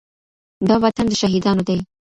دا وطن د شهيدانو دی.